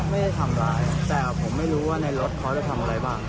ไม่ได้ทำร้ายแต่ผมไม่รู้ว่าในรถเขาจะทำอะไรบ้าง